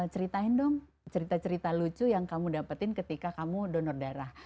ceritain dong cerita cerita lucu yang kamu dapetin ketika kamu donor darah